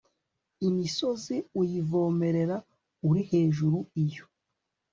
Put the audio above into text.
imisozi uyivomerera uri hejuru iyo